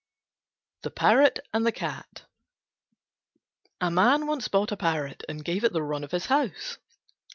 THE PARROT AND THE CAT A Man once bought a Parrot and gave it the run of his house.